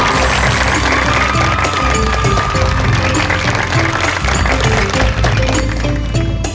โชว์สี่ภาคจากอัลคาซ่าครับ